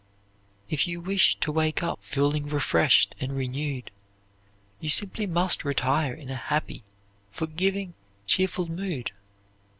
If you wish to wake up feeling refreshed and renewed, you simply must retire in a happy, forgiving, cheerful mood.